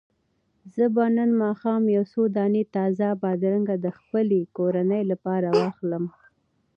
زه به نن ماښام یو څو دانې تازه بادرنګ د خپلې کورنۍ لپاره واخلم.